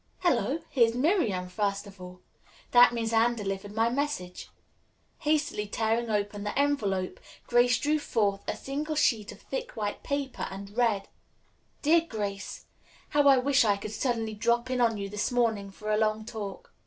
Hello! Here's Miriam first of all. That means Anne delivered my message." Hastily tearing open the envelope, Grace drew forth a single sheet of thick white paper and read: "DEAR GRACE: "How I wish I could suddenly drop in on you this morning for a long talk.